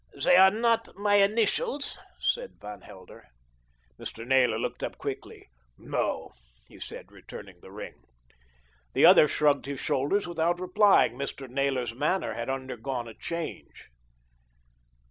"They are not my initials," said Van Helder. Mr. Naylor looked up quickly. "No," he said, returning the ring. The other shrugged his shoulders without replying. Mr. Naylor's manner had undergone a change.